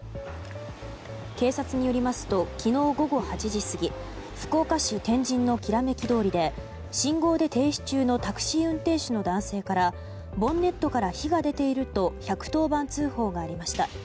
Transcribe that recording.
警察によりますと昨日午後８時過ぎ福岡市天神のきらめき通りで信号で停止中のタクシー運転手の男性からボンネットから火が出ていると１１０番通報がありました。